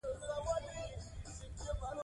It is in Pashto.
دی خپل ولس ته پوره درناوی لري.